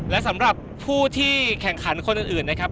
และสำหรับผู้ที่แข่งขันคนอื่นนะครับ